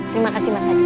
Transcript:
terima kasih mas hadi